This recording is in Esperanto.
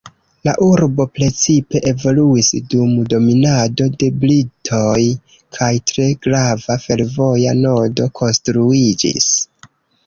La urbo precipe evoluis dum dominado de britoj kaj tre grava fervoja nodo konstruiĝis.